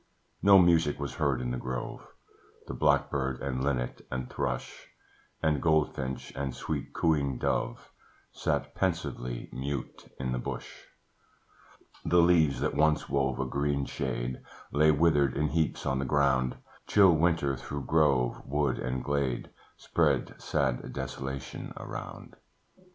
No music was heard in the grove, The blackbird and linnet and thrush, And goldfinch and sweet cooing dove, Sat pensively mute in the bush: The leaves that once wove a green shade Lay withered in heaps on the ground: Chill Winter through grove, wood, and glade Spread sad desolation around.